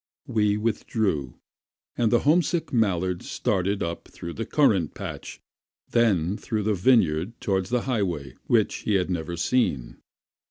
We withdrew, and the homesick mallard started up through the currant patch, then through the vineyard toward the highway which he had never seen.